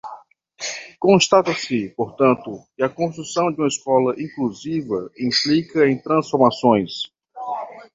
Constata-se, portanto, que a construção de uma escola inclusiva implica em transformações